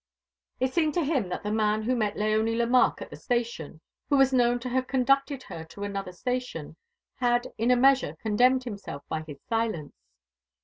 It seemed to him that the man who met Léonie Lemarque at the station, who was known to have conducted her to another station, had in a measure condemned himself by his silence.